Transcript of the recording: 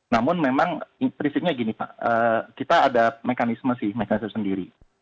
namun memang prinsipnya gini pak kita ada mekanisme sih mekanisme sendiri